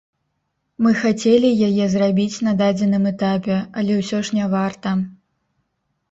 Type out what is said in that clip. Мы хацелі яе зрабіць на дадзеным этапе, але ўсё ж не варта.